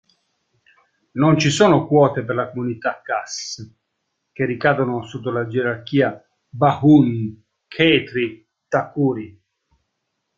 Non ci sono quote per la comunità Khas che ricadono sotto la gerarchia "Bahun-Chhetri-Thakuri".